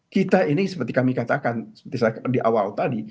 kita ini seperti kami katakan seperti saya di awal tadi